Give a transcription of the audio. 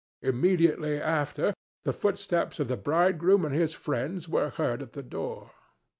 Immediately after, the footsteps of the bridegroom and his friends were heard at the door.